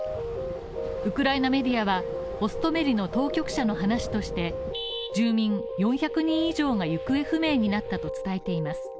ウクライナメディアはホストメリの当局者の話として住民４００人以上が行方不明になったと伝えています。